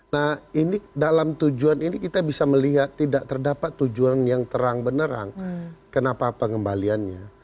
nah ini dalam tujuan ini kita bisa melihat tidak terdapat tujuan yang terang benerang kenapa pengembaliannya